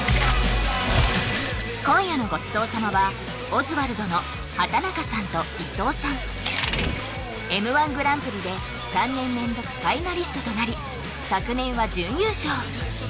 今夜のごちそう様はＭ−１グランプリで３年連続ファイナリストとなり昨年は準優勝！